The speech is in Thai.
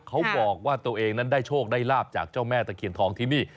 เขาบอกว่าตัวเองนั้นได้โชคได้ลาบจากเจ้าแม่ตะเคียนทองที่นี่